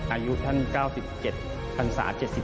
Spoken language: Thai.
อายุท่าน๙๗ศ๗๗